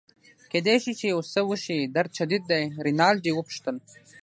کیدای شي چي یو څه وشي، درد شدید دی؟ رینالډي وپوښتل.